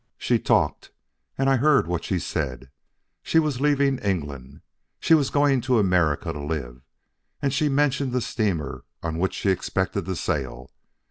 She talked, and I heard what she said. She was leaving England. She was going to America to live; and she mentioned the steamer on which she expected to sail.